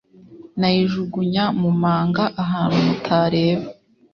nayijugunya mumanga ahantu mutareba